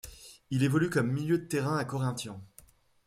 Il évolue comme milieu de terrain à Corinthians.